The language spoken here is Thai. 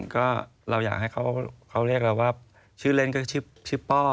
ก็เราอยากให้เขาเรียกเราชื่อเล่นชื่อป้อ